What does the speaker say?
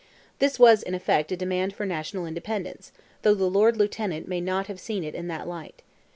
This was, in effect, a demand for national independence, though the Lord Lieutenant may not have seen it in that light.